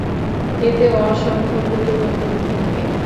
এতে অসংখ্য পরিবর্তন ঘটবে।